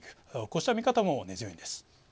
こうした見方も根強いんです。